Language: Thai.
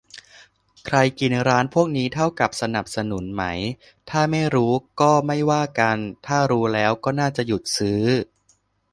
ใครกินร้านพวกนี้เท่ากับสนับสนุนไหม ถ้าไม่รู้ก็ไม่ว่ากัน ถ้ารู้แล้วก็น่าจะหยุดซื้อ